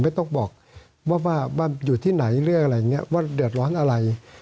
ไม่ต้องบอกว่าอยู่ที่ไหนเรื่องอะไรอย่างนี้ว่าเดือดร้อนอะไร